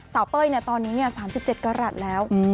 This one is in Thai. เป้ยตอนนี้๓๗กรัฐแล้ว